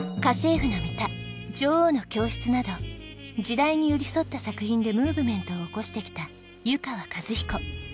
『家政婦のミタ』『女王の教室』など時代に寄り添った作品でムーブメントを起こしてきた遊川和彦。